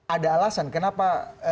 ada alasan kenapa